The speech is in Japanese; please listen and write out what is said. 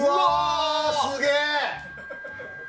すげえ！